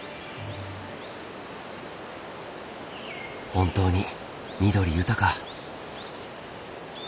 本当に緑豊か。